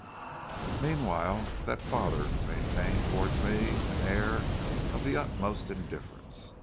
"Meanwhile that father maintained towards me an air of the utmost indifference.